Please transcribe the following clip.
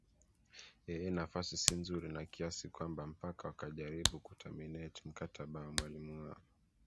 ee nafasi si nzuri na kiasi kwamba mpaka wakajaribu kuterminate mkataba wa mwalimu wao